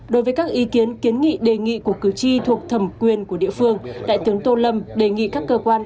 đối với các ý kiến kiến nghị đề nghị của cử tri thuộc thẩm quyền của địa phương đại tướng tô lâm đề nghị các cơ quan